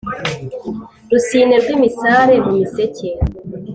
Rusine rw'imisare mu Miseke